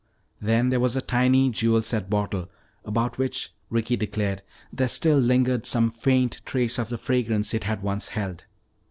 Then there was a tiny jewel set bottle, about which, Ricky declared, there still lingered some faint trace of the fragrance it had once held.